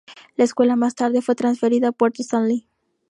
La escuela más tarde fue transferida a Puerto Stanley.